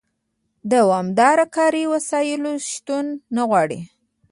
د دوامداره کاري وسایلو شتون نه غواړي.